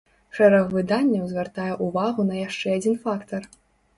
Шэраг выданняў звяртае ўвагу на яшчэ адзін фактар.